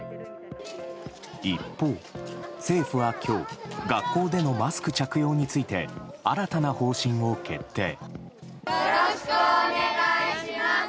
一方、政府は今日学校でのマスク着用について新たな方針を決定。